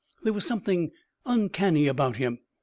There was something uncanny about him.